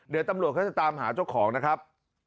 เดี๋ยวตำรวจเขาจะตามหาเจ้าของนะครับ